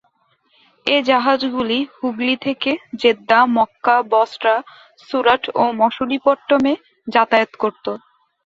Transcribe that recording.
এ জাহাজগুলি হুগলি থেকে Jeddah, Mecca, Basra, Surat ও মসুলিপট্টমে যাতায়াত করত।